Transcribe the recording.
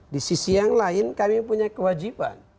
di sisi yang lain kami punya kewajiban